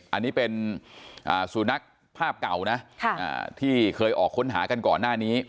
อันนี้เป็นสุนัขภาพเก่านะที่เคยออกค้นหากันก่อนหน้านี้